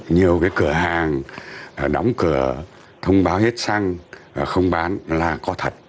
nhiều cửa hàng đóng cửa thông báo hết xăng không bán là có thật